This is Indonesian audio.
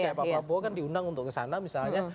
kayak pak pabowo kan diundang untuk kesana misalnya